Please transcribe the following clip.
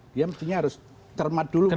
dia mestinya harus cermat dulu